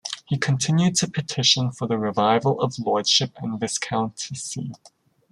He continued to petition for the revival of the lordship and viscountcy.